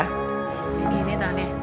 kayak gini tangan ya